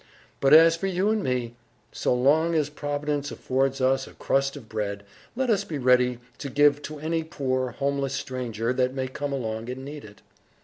But, as for you and me, so long as Providence affords us a crust of bread, let us be ready to give half to any poor, homeless stranger that may come along and need it."